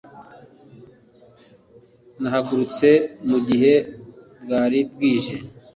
nahagurutse mu gihe bwari bwije